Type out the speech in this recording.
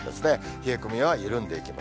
冷え込みは緩んでいきます。